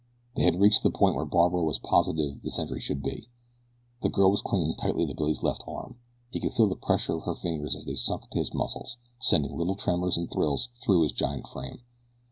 They had reached the point where Barbara was positive the sentry should be. The girl was clinging tightly to Billy's left arm. He could feel the pressure of her fingers as they sunk into his muscles, sending little tremors and thrills through his giant frame.